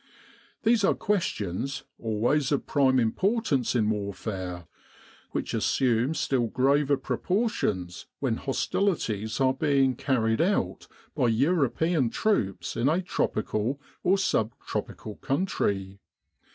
These are questions, always of prime im portance in warfare, which assume still graver pro portions when hostilities are being carried out by European troops in a tropical or sub tropical country.